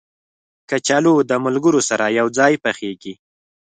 کچالو د ملګرو سره یو ځای پخېږي